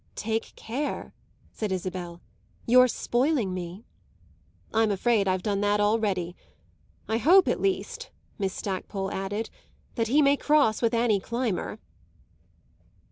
"Take care," said Isabel; "you're spoiling me." "I'm afraid I've done that already. I hope, at least," Miss Stackpole added, "that he may cross with Annie Climber!"